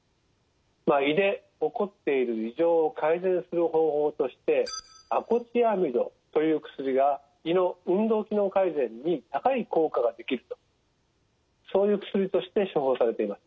胃で起こっている異常を改善する方法としてアコチアミドという薬が胃の運動機能改善に高い効果ができるとそういう薬として処方されています。